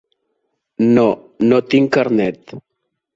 No, no tinc carnet.